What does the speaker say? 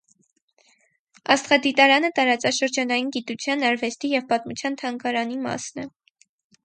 Աստղադիտարանը տարածաշրջանային գիտության, արվեստի և պատմության թանգարանի մասն է։